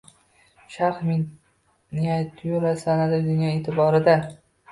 Sharq miniatyura san’ati dunyo e’tiborida